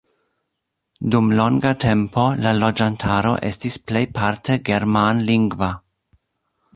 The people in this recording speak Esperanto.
Dum longa tempo la loĝantaro estis plejparte germanlingva.